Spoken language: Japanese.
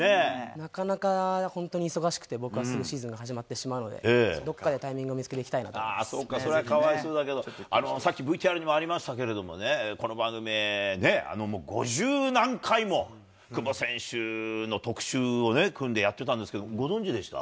なかなか本当に忙しくて、僕はすぐシーズン始まってしまうので、どっかでタイミングを見つそっか、それはかわいそうだけど、さっきＶＴＲにもありましたけれども、この番組ね、五十何回も久保選手の特集をね、組んでやってたんですけど、ご存じでした？